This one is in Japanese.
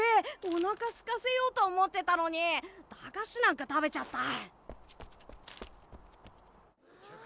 おなかすかせようと思ってたのに駄菓子なんか食べちゃった。